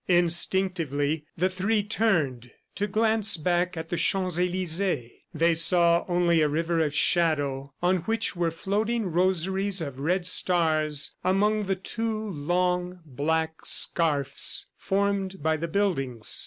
Instinctively the three turned to glance back at the Champs Elysees. They saw only a river of shadow on which were floating rosaries of red stars among the two long, black scarfs formed by the buildings.